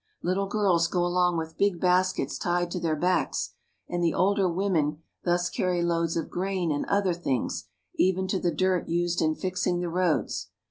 Little girls go 'along with big baskets tied to their backs, and the older women thus carry loads of grain and other things, even to the dirt used in fixing the roads.